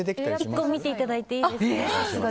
１個見ていただいていいですか。